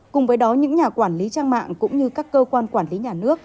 cùng với đó những nhà quản lý trang mạng cũng như các cơ quan quản lý nhà nước